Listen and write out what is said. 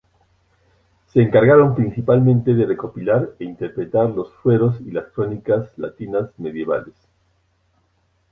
Se encargaron principalmente de recopilar e interpretar los fueros y las crónicas latinas medievales.